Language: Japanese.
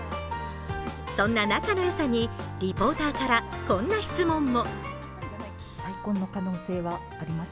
そんな仲の良さにリポーターからこんな質問も。